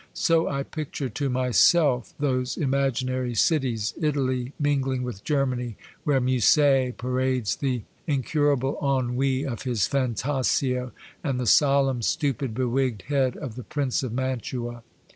So I picture to myself those imaginary cities, Italy mingling with Germany, where Musset parades the incurable ennui of his Fantasio and the solemn, stupid, bewigged head of the Prince of Mantua.